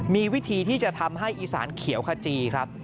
มีวิธีที่จะทำให้อีสานเขียวขจีครับ